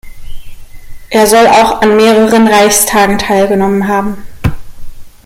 Er soll auch an mehreren Reichstagen teilgenommen haben.